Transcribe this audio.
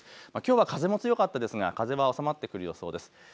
きょうは風も強かったですが風は収まってくる予想です。